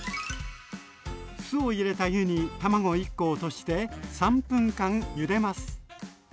酢を入れた湯に卵１コを落として３分間ゆでます。